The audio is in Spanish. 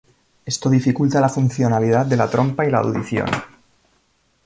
Esto dificulta la funcionalidad de la trompa y la audición.